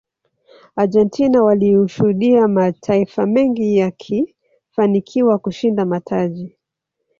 argentina waliishuhudia mataifa mengi yakifanikiwa kushinda mataji